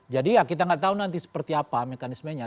jadi ya kita enggak tahu nanti seperti apa mekanismenya